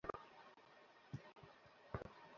Ambulance আমাদের সাথেই আছে।